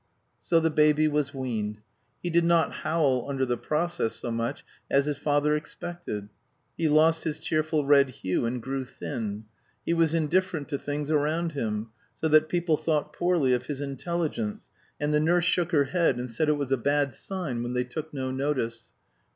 So the baby was weaned. He did not howl under the process so much as his father expected. He lost his cheerful red hue and grew thin; he was indifferent to things around him, so that people thought poorly of his intelligence, and the nurse shook her head and said it was a "bad sign when they took no notice."